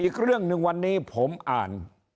อีกเรื่องหนึ่งวันนี้ผมอ่าน